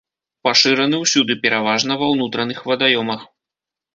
Пашыраны ўсюды, пераважна ва ўнутраных вадаёмах.